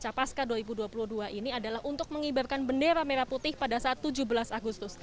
capaska dua ribu dua puluh dua ini adalah untuk mengibarkan bendera merah putih pada saat tujuh belas agustus